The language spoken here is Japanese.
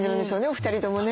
お二人ともね。